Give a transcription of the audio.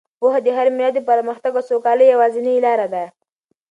پوهه د هر ملت د پرمختګ او سوکالۍ یوازینۍ لاره ده.